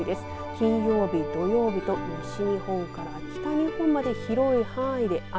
金曜日、土曜日と西日本から北日本まで広い範囲で雨。